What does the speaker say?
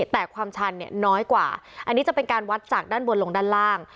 แต่ความชันเนี่ยน้อยกว่าอันนี้จะเป็นการวัดจากด้านบนลงด้านล่าง